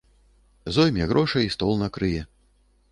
Зойме грошай, стол накрые.